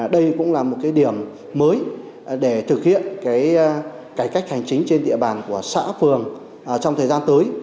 đây cũng là một điểm mới để thực hiện cải cách hành chính trên địa bàn của xã phường trong thời gian tới